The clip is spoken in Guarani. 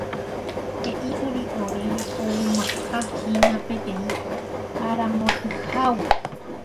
He'íkuri oréve ouhahína peteĩ arambotyhágui.